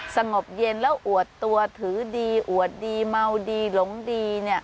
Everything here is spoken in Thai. สงบเย็นแล้วอวดตัวถือดีอวดดีเมาดีหลงดี